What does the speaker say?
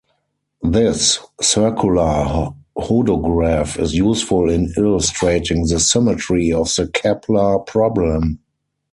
This circular hodograph is useful in illustrating the symmetry of the Kepler problem.